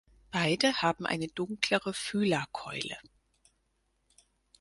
Beide haben eine dunklere Fühlerkeule.